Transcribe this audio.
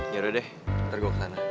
yaudah deh ntar gue kesana